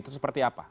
itu seperti apa